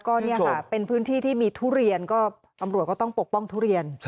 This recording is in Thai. ก็เนี่ยค่ะเป็นพื้นที่ที่มีทุเรียนก็ตำรวจก็ต้องปกป้องทุเรียน